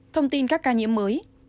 thông tin các ca nhiễm mới